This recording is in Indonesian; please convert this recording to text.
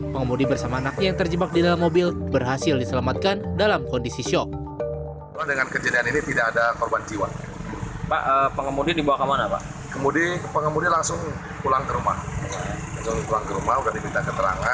pengemudi bersama anaknya yang terjebak di dalam mobil berhasil diselamatkan dalam kondisi shock